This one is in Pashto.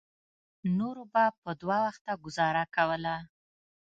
نورو به په دوه وخته ګوزاره کوله.